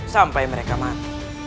sampai mereka mati